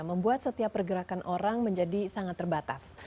membuat setiap pergerakan orang menjadi sangat terbatas